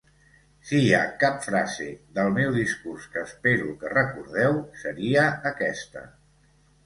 Si hi ha cap frase del meu discurs que espero que recordeu, seria aquesta.